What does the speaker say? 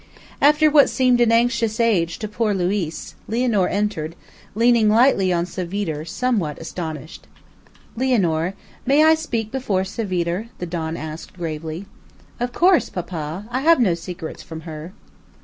After what seemed an anxious age to poor Luiz, Lianor entered, leaning lightly on Savitre, somewhat astonished. "Lianor, may I speak before Savitre?" the don asked gravely. "Of course, papa. I have no secrets from her."